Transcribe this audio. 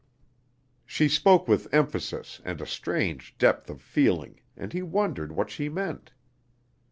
She spoke with emphasis and a strange depth of feeling, and he wondered what she meant.